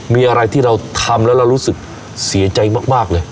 มีอะไรที่เราทำแล้วเรารู้สึกเสียใจมากเลย